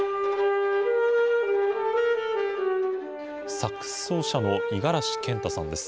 サックス奏者の五十嵐健太さんです。